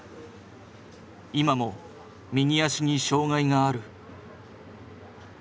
今も右足に障がいがある。